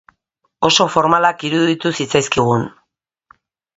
Oso formalak iruditu zitzaizkigun.